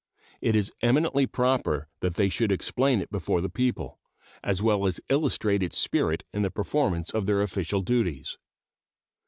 It is eminently proper that they should explain it before the people, as well as illustrate its spirit in the performance of their official duties.